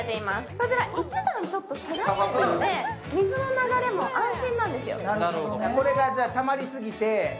こちら一段下がっているので、水の流れも安心なんですよ。